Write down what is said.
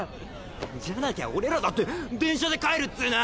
じゃなきゃ俺らだって電車で帰るっつぅの！